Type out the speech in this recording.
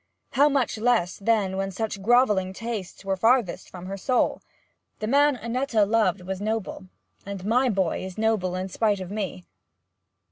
How much less, then, when such grovelling tastes were farthest from her soul! The man Annetta loved was noble, and my boy is noble in spite of me.'